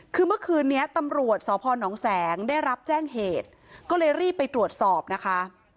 คือเมื่อคืนนี้ตำรวจสพนแสงได้รับแจ้งเหตุก็เลยรีบไปตรวจสอบนะคะ